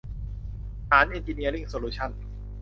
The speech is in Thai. หาญ เอ็นจิเนียริ่ง โซลูชั่นส์